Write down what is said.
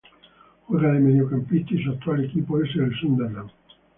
Juega de mediocampista y su actual equipo es el Sunderland.